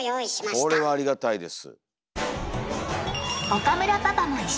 これはありがたいです。